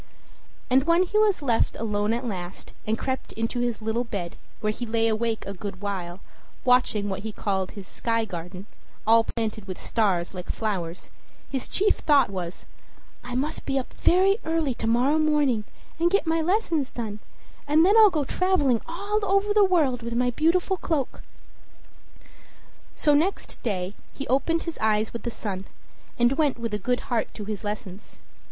And when he was left alone at last, and crept into his little bed, where he lay awake a good while, watching what he called his "sky garden," all planted with stars, like flowers, his chief thought was "I must be up very early to morrow morning, and get my lessons done, and then I'll go traveling all over the world on my beautiful cloak." So next day he opened his eyes with the sun, and went with a good heart to his lessons.